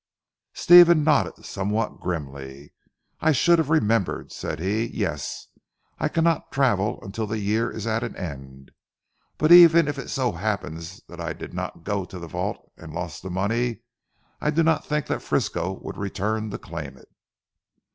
Stephen nodded somewhat grimly. "I should have remembered," said he, "yes! I cannot travel until the year is at an end. But even if it so happened that I did not go to the vault and lost the money, I do not think that Frisco would return to claim it."